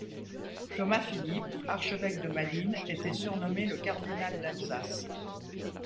Thomas Philippe, archevêque de Malines était surnommé le cardinal d'Alsace.